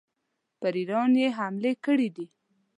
پر ایران یې حملې کړي دي.